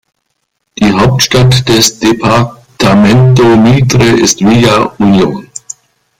Die Hauptstadt des Departamento Mitre ist Villa Unión.